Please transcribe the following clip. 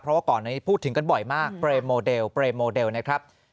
เพราะว่าก่อนนี้พูดถึงกันบ่อยมากเปรมโมเดลเปรมโมเดลนะครับ